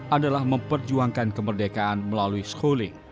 adalah memperjuangkan kemerdekaan melalui schooling